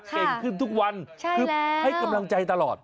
เก่งขึ้นทุกวันคือให้กำลังใจตลอด